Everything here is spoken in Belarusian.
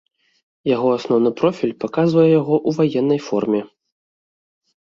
Яго асноўны профіль паказвае яго ў ваеннай форме.